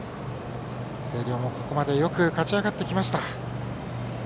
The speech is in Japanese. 星稜もここまでよく勝ち上がってきました。